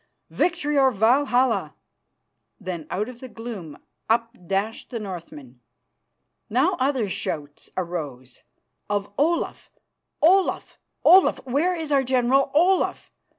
Victory or Valhalla!_" Then out of the gloom up dashed the Northmen. Now other shouts arose of "Olaf! Olaf! Olaf! Where is our General Olaf?